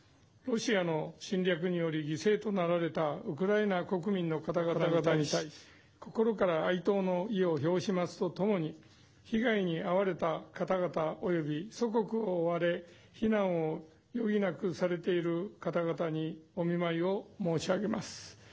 ロシアの侵略により犠牲となられたウクライナ国民の方々に対し心から哀悼の意を表しますと共に被害に遭われた方々および祖国を追われ避難を余儀なくされている方々にお見舞いを申し上げます。